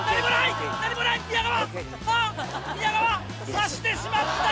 さしてしまった！